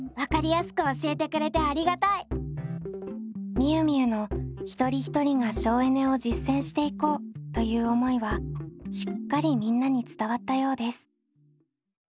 みゆみゆの一人一人が省エネを実践していこうという思いはしっかりみんなに伝わったようです。